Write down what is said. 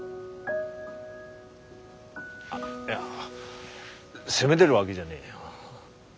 あっいや責めてるわけじゃねえよ。